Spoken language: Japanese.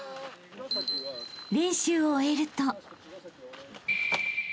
［練習を終えると］